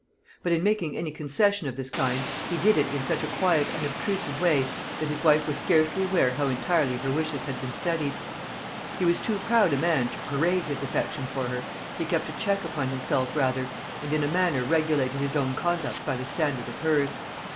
But, in making any concession of this kind, he did it in such a quiet unobtrusive way, that his wife was scarcely aware how entirely her wishes had been studied. He was too proud a man to parade his affection for her; he kept a check upon himself rather, and in a manner regulated his own conduct by the standard of hers.